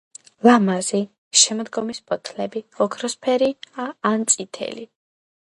ლამაზი, შემოდგომით ფოთლები ოქროსფერია ან წითელი.